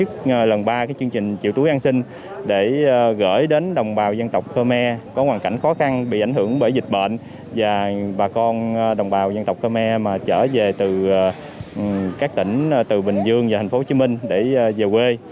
đoàn thanh niên công an tỉnh kiên giang triển khai chương trình triệu túi an sinh trong đó tập trung trao tặng giúp đỡ cho bà con là dân tộc khơ me có hoàn cảnh khó khăn do ảnh hưởng của dịch bệnh và những người dân từ thành phố hồ chí minh và những người chở về từ các tỉnh từ bình dương và thành phố hồ chí minh để về quê